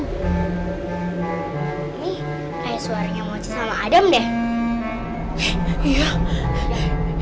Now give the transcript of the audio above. ini kayak suaranya mochi sama adam deh